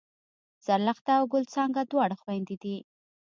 زرلښته او ګل څانګه دواړه خوېندې دي